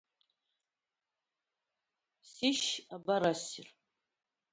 Сишь, абар ассир!